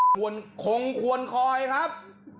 คงควรคอยครับ